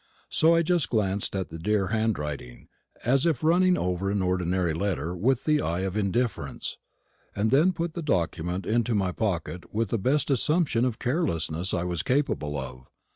So I just glanced at the dear handwriting, as if running over an ordinary letter with the eye of indifference, and then put the document into my pocket with the best assumption of carelessness I was capable of.